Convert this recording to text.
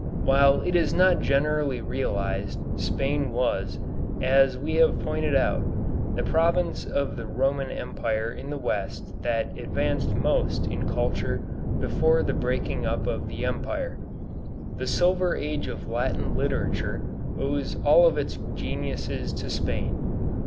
While it is not generally realized, Spain was, as we have pointed out, the province of the Roman Empire in the West that advanced most in culture before the breaking up of the Empire. The Silver Age of Latin literature owes all of its geniuses to Spain.